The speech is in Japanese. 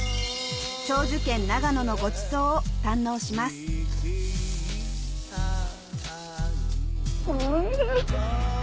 長寿県・長野のごちそうを堪能しますおいしい！